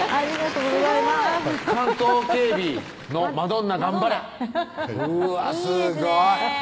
うわっすごい